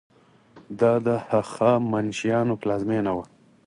دا د هخامنشیانو پلازمینه وه.